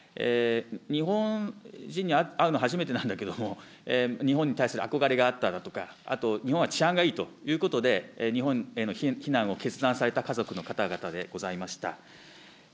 日本人に会うのは初めてなんだけれども、日本に対する憧れがあっただとか、あと日本は治安がいいということで、日本への避難を決断された家族の方々でございました。